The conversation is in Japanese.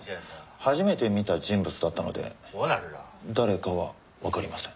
初めて見た人物だったので誰かはわかりません。